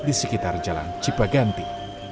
di sekitar jalan cipaganti